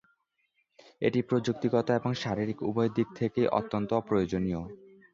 এটি প্রযুক্তিগত এবং শারীরিক উভয় দিক থেকেই অত্যন্ত প্রয়োজনীয়।